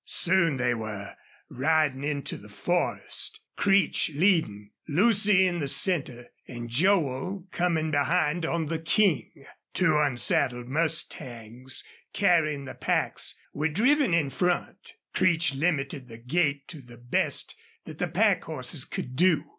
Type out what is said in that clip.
Soon they were riding into the forest, Creech leading, Lucy in the center, and Joel coming behind on the King. Two unsaddled mustangs carrying the packs were driven in front. Creech limited the gait to the best that the pack horses could do.